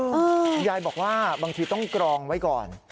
คุณยายบอกว่าบางทีต้องกรองไว้ก่อน